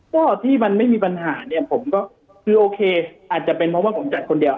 ก็ที่มันไม่มีปัญหาเนี่ยผมก็คือโอเคอาจจะเป็นเพราะว่าผมจัดคนเดียว